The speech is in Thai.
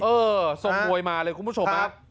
เออส่งบวยมาเลยคุณผู้ชมครับ